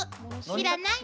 知らない？